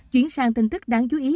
chuyển sang tin tức đáng chú ý